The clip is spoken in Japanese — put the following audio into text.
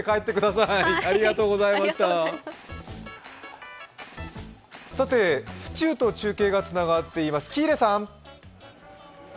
さて、府中と中継がつながっています。